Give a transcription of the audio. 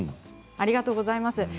ありがとうございます。